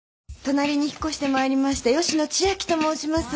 隣に引っ越してまいりました吉野千明と申します。